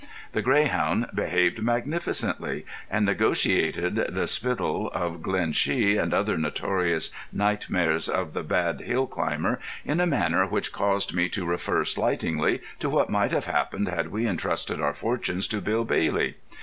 The Greyhound behaved magnificently, and negotiated the Spittal of Glenshee and other notorious nightmares of the bad hill climber in a manner which caused me to refer slightingly to what might have happened had we entrusted our fortunes to Bill Bailey.